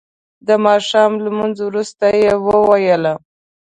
د ماښام لمونځ وروسته یې وویل.